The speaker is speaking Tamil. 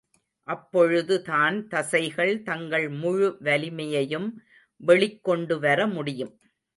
அப்பொழுது தான் தசைகள் தங்கள் முழு வலிமையையும் வெளிக்கொண்டு வர முடியும்.